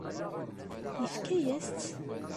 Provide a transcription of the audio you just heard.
Yefka-yas-tt?